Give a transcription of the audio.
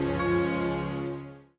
kita juga tetap harus mewaspadai